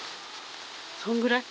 そんぐらい。